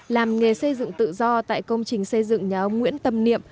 làm nghề xây dựng tự do tại công trình xây dựng nhà ông nguyễn tâm niệm